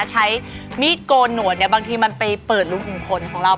ใช้มีดโกนหนวดเนี่ยบางทีมันไปเปิดลุมขุมขนของเรา